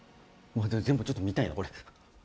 全部ちょっと見たいなこれ。